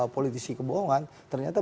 politisi kebohongan ternyata